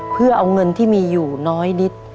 เพื่อเอาเงินที่มีอยู่น้อยนิด